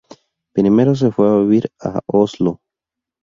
Primero se fue a vivir a Oslo.